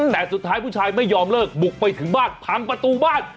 แต่สุดท้ายผู้ชายไม่ยอมเลิกบุกไปถึงบ้านพังประตูบ้าน